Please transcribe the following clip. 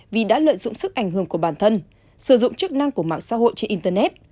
vì đã lợi dụng sức ảnh hưởng của bản thân sử dụng chức năng của mạng xã hội trên internet